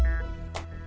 nah hat meet ehkan